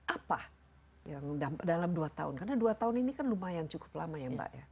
apa yang dalam dua tahun karena dua tahun ini kan lumayan cukup lama ya mbak ya